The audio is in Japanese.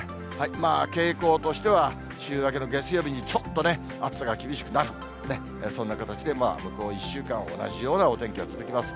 傾向としては、週明けの月曜日にちょっとね、暑さが厳しくなる、そんな形で、まあ、向こう１週間、同じようなお天気が続きます。